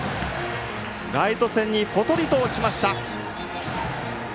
ライト線にぽとりと落ちました。